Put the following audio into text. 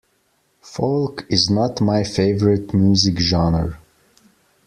Folk is not my favorite music genre.